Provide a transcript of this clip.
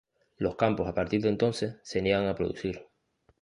Los campos a partir de entonces se niegan a producir.